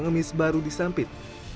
kelompok pengemis baru disampit